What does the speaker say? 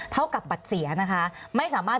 เท่ากับบัตรเสียนะคะไม่สามารถ